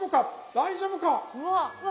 大丈夫か。